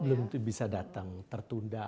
belum bisa datang tertunda